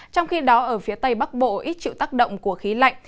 trong khi đó ở phía tây bắc bộ ít chịu tác động của khí lạnh